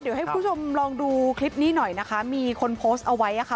เดี๋ยวให้คุณผู้ชมลองดูคลิปนี้หน่อยนะคะมีคนโพสต์เอาไว้ค่ะ